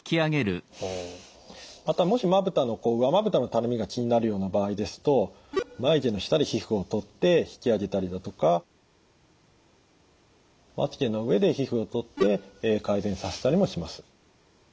またもし上まぶたのたるみが気になるような場合ですと眉毛の下で皮膚をとって引き上げたりだとかまつげの上で皮膚をとって改善させたりもします。